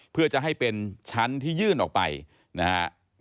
เพื่อจะให้เป็นชั้นที่ยื่นออกไปนะครับ